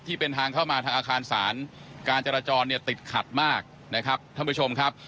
ที่เป็นทางเข้ามาทางอาคารศาลการจราจรเนี่ยติดขัดมากนะครับท่านผู้ชมครับ